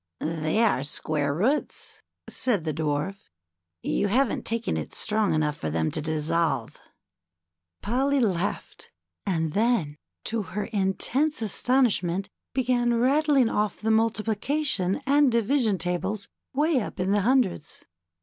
^^They are square roots/' said the Dwarf. You haven't taken it strong enough for them to dissolve." Polly laughed^ and then, to her intense astonishment, began rattling off the multiplication and division tables way up in the hundreds.